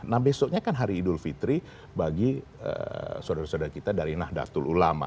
nah besoknya kan hari idul fitri bagi saudara saudara kita dari nahdlatul ulama